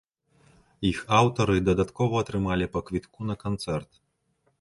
Іх аўтары дадаткова атрымалі па квітку на канцэрт.